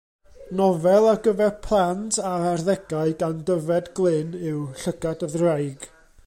Nofel ar gyfer plant a'r arddegau gan Dyfed Glyn yw Llygad y Ddraig.